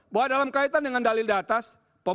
bahwa dalam kaitan dengan dalil diatas